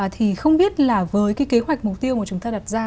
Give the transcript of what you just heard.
thì không biết là với cái kế hoạch mục tiêu mà chúng ta đặt ra